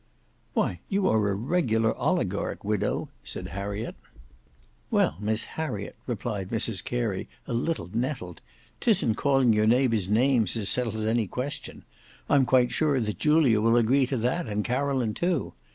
"Why, you are a regular oligarch, widow," said Harriet. "Well, Miss Harriet," replied Mrs Carey, a little nettled; "'tisn't calling your neighbours names that settles any question. I'm quite sure that Julia will agree to that, and Caroline too.